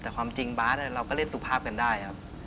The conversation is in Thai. แต่ความจริงบาสเราก็เล่นสุภาพกันได้ครับ